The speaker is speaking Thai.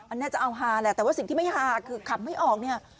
อันนี้จะเอาฮาแหละแต่ว่าสิ่งที่ไม่ฮาคือขับไม่ออกเนี่ย